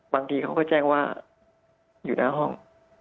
บางทีเขาก็แจ้งว่าอยู่หน้าห้อง